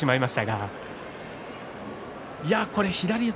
左四つ